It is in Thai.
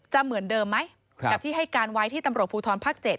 เหมือนเดิมไหมกับที่ให้การไว้ที่ตำรวจภูทรภาค๗